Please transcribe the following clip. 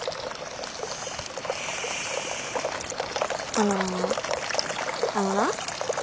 あのあのな。